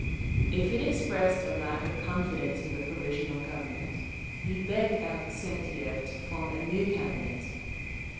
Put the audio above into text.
If it expressed a lack of confidence in the Provisional Government, he begged Avksentiev to form a new Cabinet.